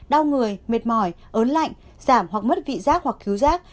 đau người mệt mỏi ớn lạnh giảm hoặc mất vị giác hoặc cứu rác